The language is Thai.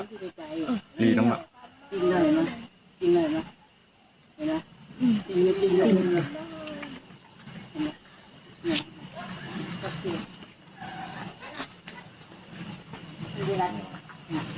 จะรีบมาในเวลาหน้า